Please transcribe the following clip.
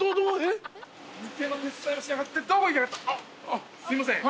あっすいません